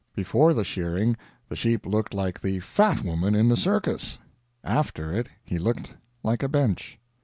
Before the shearing the sheep looked like the fat woman in the circus; after it he looked like a bench.